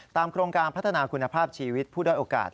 โครงการพัฒนาคุณภาพชีวิตผู้ด้อยโอกาส